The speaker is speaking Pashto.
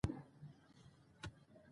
موږ باید د سبا غم وخورو.